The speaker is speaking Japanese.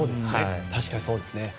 確かにそうですね。